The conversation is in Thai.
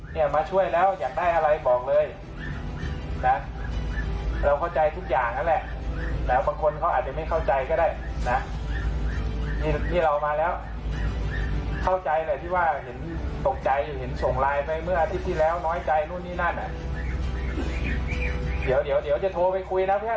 เนี่ยมาช่วยแล้วอยากได้อะไรบอกเลยนะเราเข้าใจทุกอย่างนั่นแหละนะบางคนเขาอาจจะไม่เข้าใจก็ได้นะนี่ที่เรามาแล้วเข้าใจแหละที่ว่าเห็นตกใจเห็นส่งไลน์ไปเมื่ออาทิตย์ที่แล้วน้อยใจนู่นนี่นั่นอ่ะเดี๋ยวเดี๋ยวเดี๋ยวจะโทรไปคุยนะเพื่อน